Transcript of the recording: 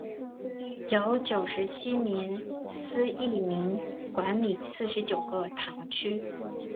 由九十七名司铎名管理四十九个堂区。